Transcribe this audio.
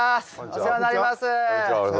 お世話になります。